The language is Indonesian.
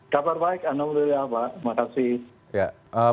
kabar baik anong dulu ya pak makasih